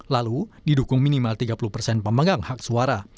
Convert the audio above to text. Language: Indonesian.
lalu didukung minimal tiga puluh persen pemegang hak suara